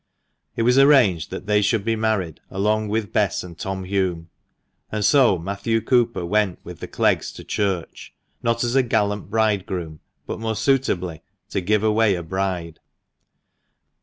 It was arranged that they should be married along with Bess and Tom Hulme ; and so Matthew Cooper went with the Cleggs to church, not as a gallant bridegroom, but, more suitably, to give away a bride.